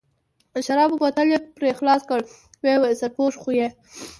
د شرابو بوتل یې پرې خلاص کړ، ویې ویل: سرپوښ خو یې.